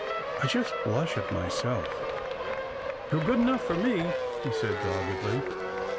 I just blush at myself." " You're good enough for me," he said doggedly.